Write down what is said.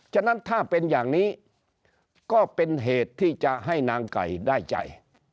ฉะนั้นถ้าเป็นอย่างนี้ก็เป็นเหตุที่จะให้นางไก่ได้ใจ